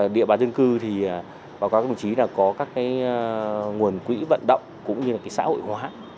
địa bàn dân cư và các công chí có các nguồn quỹ vận động cũng như xã hội hóa